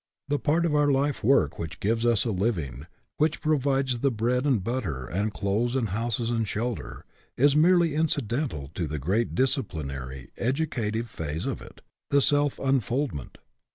The part of our life work which gives us a living, which provides the bread and butter and clothes and houses and shelter, is merely incidental to the great disciplinary, educa tive phase of it the self unfoldment.